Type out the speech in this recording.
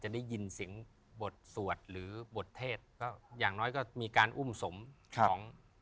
ได้ยินเสียงบทสวดหรือบทเทศก็อย่างน้อยก็มีการอุ้มสมของ